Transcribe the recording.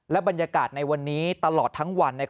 บรรยากาศในวันนี้ตลอดทั้งวัน